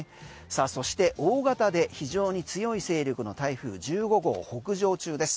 そして大型で非常に強い勢力の台風１５号、北上中です。